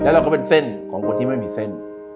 แล้วเราก็เป็นเส้นของคนที่ไม่มีเส้น